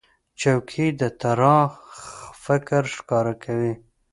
چوکۍ د طراح فکر ښکاره کوي.